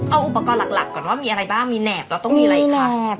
เอาอุปกรณ์หลักก่อนว่ามีอะไรบ้างมีแหนบเราต้องมีอะไรคะ